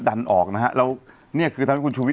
ปรากฏว่าจังหวัดที่ลงจากรถ